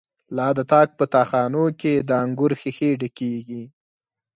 لا د تاک په تا خانو کی، دانګور ښيښی ډکيږی